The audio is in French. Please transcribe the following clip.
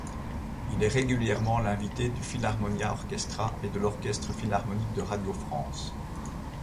Il est régulièrement l'invité du Philharmonia Orchestra, et de l'orchestre philharmonique de Radio-France.